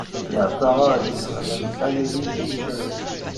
La parole est à Madame Amélie de Montchalin.